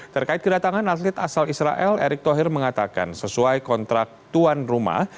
terkait kedatangan atlet asal israel erick thohir mengatakan sesuai kontrak tuan rumah